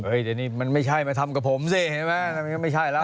เดี๋ยวนี้มันไม่ใช่มาทำกับผมสิเห็นไหมมันก็ไม่ใช่แล้ว